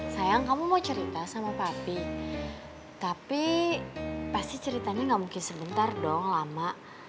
sayang kamu mau cerita sama papi tapi pasti ceritanya gak mungkin sebentar dong lama